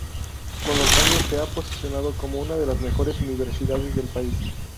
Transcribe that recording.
Con los años, se ha posicionado como una de las mejores universidades del país.